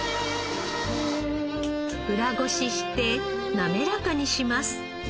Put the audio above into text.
裏ごししてなめらかにします。